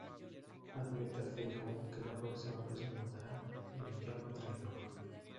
Advierte a Fei-hung que la próxima vez lo matará y lo llama traidor.